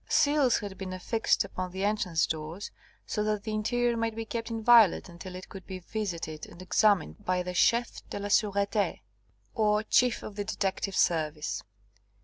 Seals had been affixed upon the entrance doors, so that the interior might be kept inviolate until it could be visited and examined by the Chef de la Sûreté, or Chief of the Detective Service.